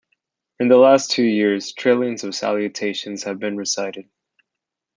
In the last two years trillions of salutations have been recited.